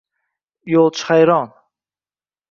Yo’lchi hayron